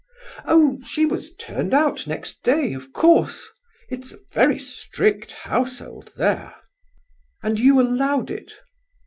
"Oh, she was turned out next day, of course. It's a very strict household, there!" "And you allowed it?"